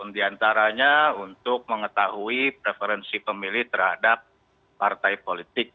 diantaranya untuk mengetahui referensi pemilih terhadap partai politik